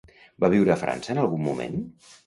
Va viure a França en algun moment?